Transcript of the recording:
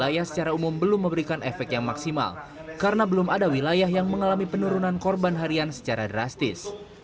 penuruan covid sembilan belas di umum belum memberikan efek yang maksimal karena belum ada wilayah yang mengalami penurunan korban harian secara drastis